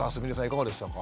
いかがでしたか？